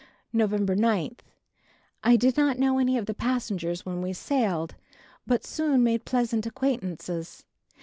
November 9. I did not know any of the passengers when we sailed, but soon made pleasant acquaintances.